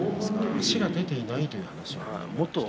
足が出ていないという話がありました。